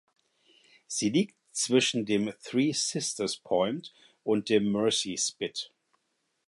Sie liegt zwischen dem Three Sisters Point und dem Mersey Spit.